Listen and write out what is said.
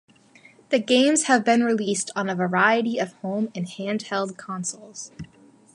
The games have been released on a variety of home and handheld consoles.